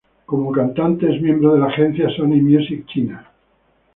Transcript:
Como cantante es miembro de la agencia "Sony Music China".